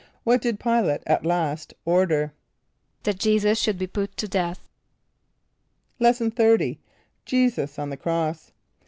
= What did P[=i]´late at last order? =That J[=e]´[s+]us should be put to death.= Lesson XXX. Jesus on the Cross.